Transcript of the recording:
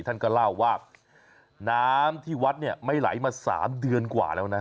ท่านก็เล่าว่าน้ำที่วัดเนี่ยไม่ไหลมา๓เดือนกว่าแล้วนะ